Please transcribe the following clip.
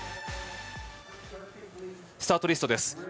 スタートリストです。